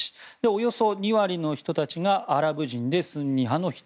およそ２割の人たちがアラブ人でスンニ派の人。